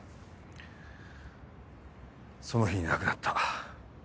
その日に亡くなった。